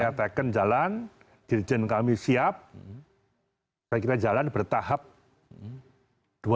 saya taken jalan dirijen kami siap kita jalan bertahap dua tiga bulan selesai nyatanya